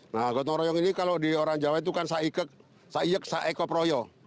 nah gotong royong ini kalau di orang jawa itu kan saikek saekoproyo